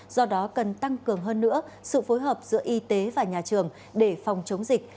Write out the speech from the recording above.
do đó cần tăng cường hơn nữa sự phối hợp giữa y tế và nhà trường để phòng chống dịch